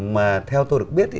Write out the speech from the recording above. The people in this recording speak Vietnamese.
mà theo tôi được biết